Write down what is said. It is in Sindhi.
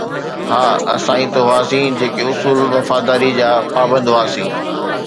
ها، اسان ئي نه هئاسين، جيڪي اصول وفاداريءَ جا پابند هئاسين